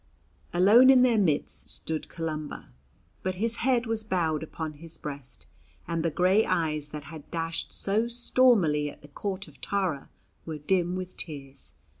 Alone in their midst stood Columba, but his head was bowed upon his breast, and the grey eyes that had dashed so stormily at the Court of Tara were dim with tears.